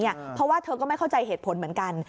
เพราะว่าเธอก็ไม่เข้าใจเหตุผลเหมือนกัน